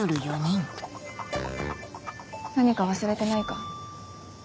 何か忘れてないか？